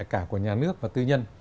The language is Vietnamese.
cả của nhà nước và tư nhân